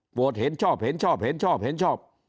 เห็นชอบเห็นชอบเห็นชอบเห็นชอบ